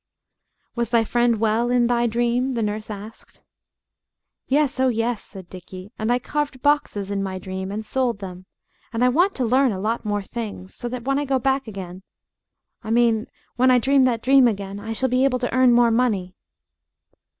"Was thy friend well, in thy dream?" the nurse asked. "Yes, oh, yes," said Dickie, "and I carved boxes in my dream, and sold them, and I want to learn a lot more things, so that when I go back again I mean when I dream that dream again I shall be able to earn more money."